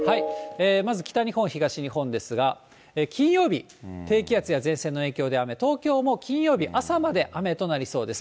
まず北日本、東日本ですが、金曜日、低気圧や前線の影響で雨、東京も金曜日、朝まで雨となりそうです。